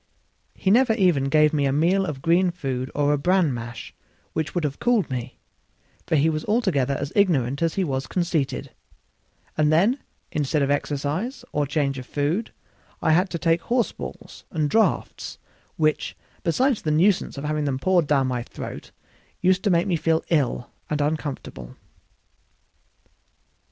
He never even gave me a meal of green food or a bran mash, which would have cooled me, for he was altogether as ignorant as he was conceited; and then, instead of exercise or change of food, I had to take horse balls and draughts; which, beside the nuisance of having them poured down my throat, used to make me feel ill and uncomfortable.